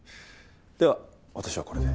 では私はこれで。